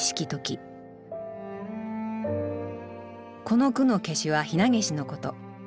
この句の「罌粟」はひなげしのこと。